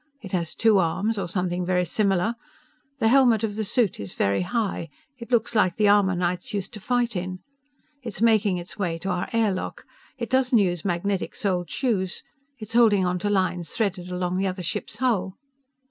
It has two arms, or something very similar ... The helmet of the suit is very high ... It looks like the armor knights used to fight in ... It's making its way to our air lock ... It does not use magnetic soled shoes. It's holding onto lines threaded along the other ship's hull